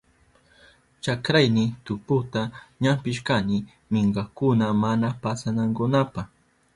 Chakrayni tuputa ñampishkani minkakuna mana pasanankunapa.